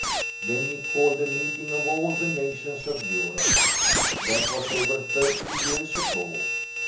Then he called a meeting of all the nations of Europe. That was over thirty years ago.